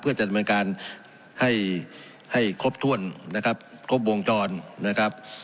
เพื่อจะดำเนินการให้ให้ครบถ้วนนะครับครบวงจรนะครับ